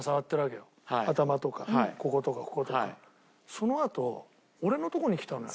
そのあと俺の所に来たのよ。